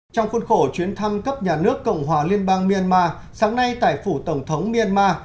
trong khuôn khổ chuyến thăm cấp nhà nước cộng hòa liên bang myanmar sáng nay tại phủ tổng thống myanmar